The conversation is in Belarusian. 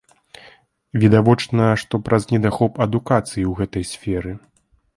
Відавочна, што праз недахоп адукацыі ў гэтай сферы.